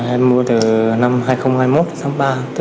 em mua từ năm hai nghìn hai mươi một tháng ba